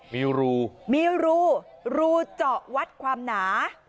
มิวรูจอกวัดความหนา